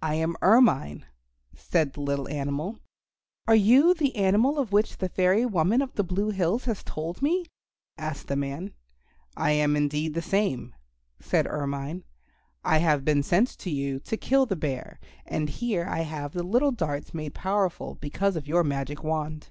"I am Ermine," said the little animal. "Are you the animal of which the fairy woman of the Blue Hills has told me?" asked the man. "I am indeed the same," said Ermine. "I have been sent to you to kill the Bear, and here I have the little darts made powerful because of your magic wand."